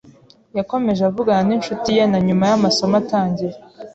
Yakomeje avugana n'inshuti ye na nyuma y'amasomo atangiye.